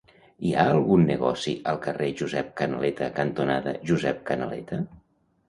Hi ha algun negoci al carrer Josep Canaleta cantonada Josep Canaleta?